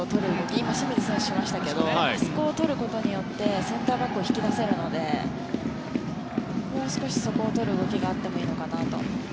今、清水選手がしましたけどあそこを取ることによってセンターバックを引き出せるのでもう少しそこを取る動きがあってもいいのかなと思います。